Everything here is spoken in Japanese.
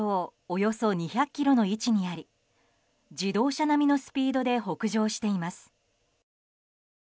およそ２００ｋｍの位置にあり自動車並みのスピードで北上しています。